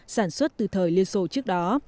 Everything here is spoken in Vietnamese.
sản xuất từ thời liên xô trước đó